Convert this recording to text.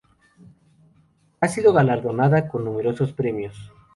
Ha sido galardonada con numerosos premios.